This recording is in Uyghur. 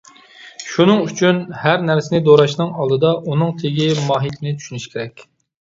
شۇنىڭ ئۈچۈن ھەر نەرسىنى دوراشنىڭ ئالدىدا ئۇنىڭ تېگى ماھىيىتىنى چۈشىنىش كېرەك.